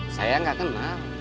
saya gak kenal